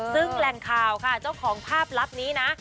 ซึ่งแหล่งข่าวค่ะเจ้าของภาพลับนี้นะ